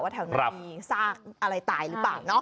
แถวนั้นมีซากอะไรตายหรือเปล่า